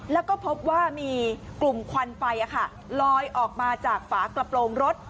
แล้วก็พบว่ามีกลุ่มควันไฟลอยออกมาจากฝากระโปรงรถ